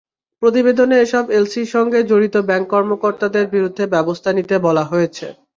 প্রতিবেদনে এসব এলসির সঙ্গে জড়িত ব্যাংক কর্মকর্তাদের বিরুদ্ধে ব্যবস্থা নিতে বলা হয়েছে।